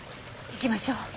行きましょう。